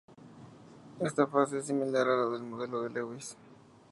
Esta fase es similar a la del modelo de Lewis.